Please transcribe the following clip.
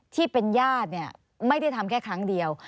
ที่เป็นญาติไม่ได้ทำแค่ครั้งเดียว